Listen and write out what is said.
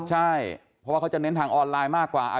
ใช่เพราะว่าเขาจะเน้นทางออนไลน์มากกว่า